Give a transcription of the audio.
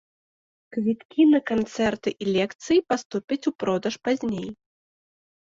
Квіткі на канцэрты і лекцыі паступяць у продаж пазней.